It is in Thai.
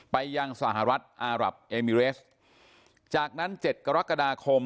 ไปยังสหรัฐอารับเอมิเรสจากนั้นเจ็ดกรกฎาคม